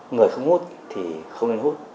người không hút thì không nên hút